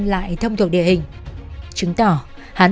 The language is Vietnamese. lại thông thuộc địa hình chứng tỏ hắn